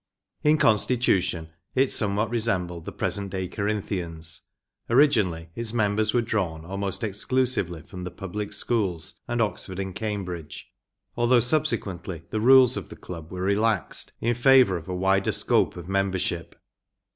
In constitution it somewhat resembled the pre¬ sent day Corinthians ; originally its members were drawn almost exclusively from the public schools and Oxford and Cambridge, although subsequently the rules of the club were re¬ laxed in favour of a wider scope of member¬ ship.